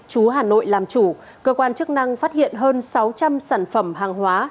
chú hà nội làm chủ cơ quan chức năng phát hiện hơn sáu trăm linh sản phẩm hàng hóa